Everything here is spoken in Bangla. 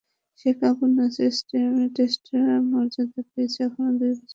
শেখ আবু নাসের স্টেডিয়াম টেস্ট মর্যাদা পেয়েছে এখনো দুই বছর হয়নি।